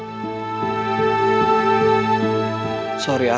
lo emang selalu ngertiin gue